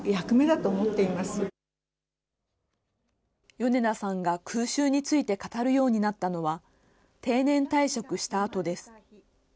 米田さんが空襲について語るようになったのは、定年退職したあとです。